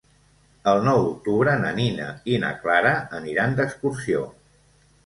El nou d'octubre na Nina i na Clara aniran d'excursió.